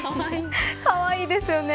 かわいいですよね。